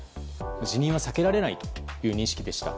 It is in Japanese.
辞任は避けられないという認識でした。